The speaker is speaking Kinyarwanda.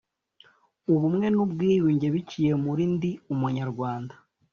ubumwe n ubwiyunge biciye muri ndi umunyarwanda